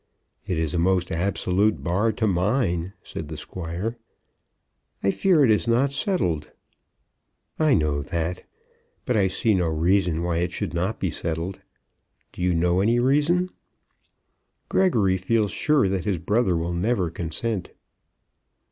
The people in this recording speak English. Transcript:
"It is a most absolute bar to mine," said the Squire. "I fear it is not settled." "I know that; but I see no reason why it should not be settled. Do you know any reason?" "Gregory feels sure that his brother will never consent."